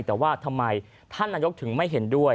แต่ว่าทำไมท่านนายกถึงไม่เห็นด้วย